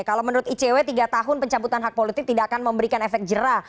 kalau menurut icw tiga tahun pencabutan hak politik tidak akan memberikan efek jerah